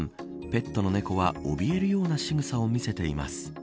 ペットの猫は、おびえるようなしぐさを見せています。